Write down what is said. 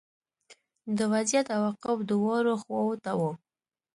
د وضعیت عواقب دواړو خواوو ته وو